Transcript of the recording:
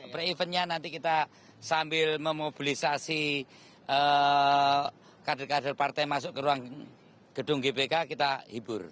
pre eventnya nanti kita sambil memobilisasi kader kader partai masuk ke ruang gedung gbk kita hibur